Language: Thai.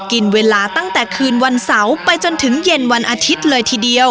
กินเวลาตั้งแต่คืนวันเสาร์ไปจนถึงเย็นวันอาทิตย์เลยทีเดียว